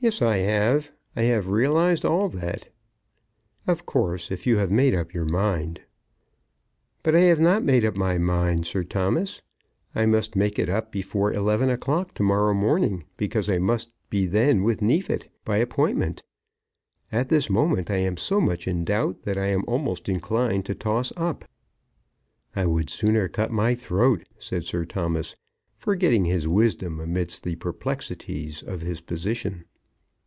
"Yes, I have. I have realised all that." "Of course, if you have made up your mind " "But I have not made up my mind, Sir Thomas. I must make it up before eleven o'clock to morrow morning, because I must then be with Neefit, by appointment. At this moment I am so much in doubt that I am almost inclined to toss up." "I would sooner cut my throat!" said Sir Thomas, forgetting his wisdom amidst the perplexities of his position.